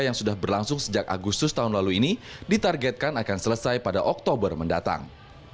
yang sudah berlangsung sejak agustus tahun lalu ini ditargetkan akan selesai pada oktober mendatang